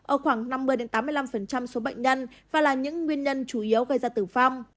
ở khoảng năm mươi tám mươi năm số bệnh nhân và là những nguyên nhân chủ yếu gây ra tử vong